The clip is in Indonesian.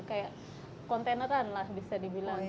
kayak kontenera lah bisa dibilang gitu